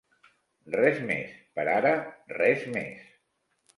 Res més. Per ara res més.